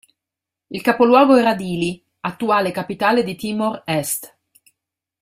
Il capoluogo era Dili, attuale capitale di Timor Est.